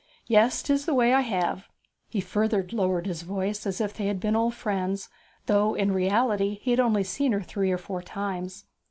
'Yes; 'tis the way I have.' He further lowered his tone, as if they had been old friends, though in reality he had only seen her three or four times.